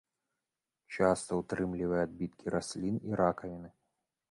Часта ўтрымлівае адбіткі раслін і ракавіны.